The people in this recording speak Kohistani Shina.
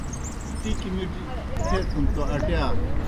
ٹِکیْ مِٹیْ تھیتَن توْ اٹِیا۔